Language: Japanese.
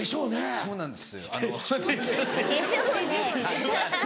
そうなんです